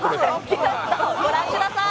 ご覧ください！